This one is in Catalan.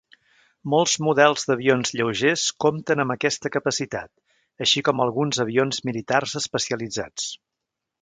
Molts models d'avions lleugers compten amb aquesta capacitat, així com alguns avions militars especialitzats.